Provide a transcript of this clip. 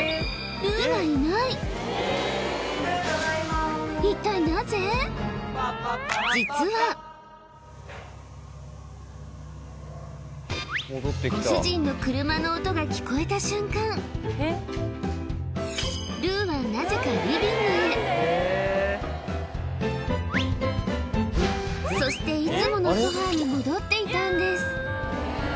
ルウがいないルウただいまご主人の車の音が聞こえた瞬間ルウはなぜかそしていつものソファに戻っていたんです